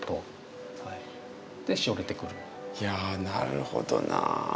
いやなるほどなぁ。